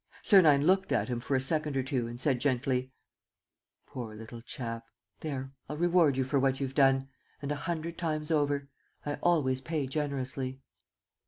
Sernine looked at him for a second or two and said, gently: "Poor little chap! ... There, I'll reward you for what you've done; and a hundred times over. I always pay generously."